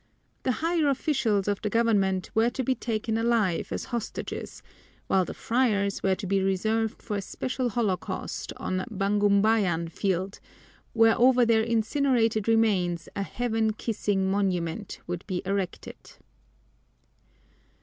The higher officials of the government were to be taken alive as hostages, while the friars were to be reserved for a special holocaust on Bagumbayan Field, where over their incinerated remains a heaven kissing monument would be erected.